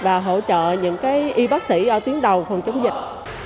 và hỗ trợ những y bác sĩ ở tuyến đầu phòng chống dịch